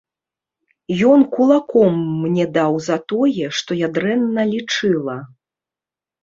Ён кулаком мне даў за тое, што я дрэнна лічыла.